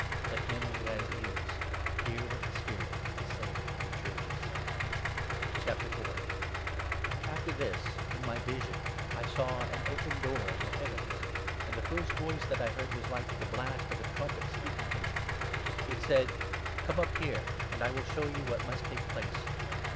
Let him who has ears hear whai 22 the Spirit is saying to the Churches," II. — THE VISION OF THE SEVEN SEALS. After this, in my vision, I saw an open door in the heavens, and the first voice that 1 heard was like the blast of a trumpet speaking to me. It said —' Come up here and I will show you what must take place.'